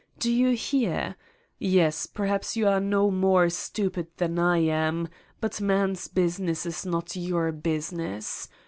Do you hear? Yes, perhaps you are no more stupid than I am, but man's business is not your business.